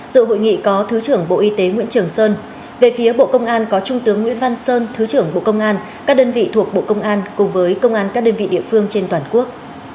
dự hội nghị có thứ trưởng bộ y tế nguyễn trường sơn về phía bộ công an có trung tướng nguyễn văn sơn thứ trưởng bộ công an các đơn vị thuộc bộ công an cùng với công an các đơn vị địa phương trên toàn quốc